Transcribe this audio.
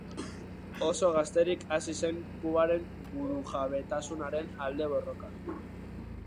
Oso gazterik hasi zen Kubaren burujabetasunaren alde borrokan.